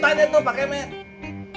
tanya tuh pak kemen